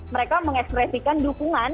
mereka mengekspresikan dukungan